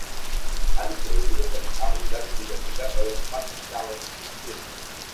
Ansley hengkang dan digantikan oleh Pat Calpin.